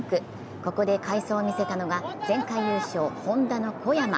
ここで快走を見せたのが前回優勝、Ｈｏｎｄａの小山。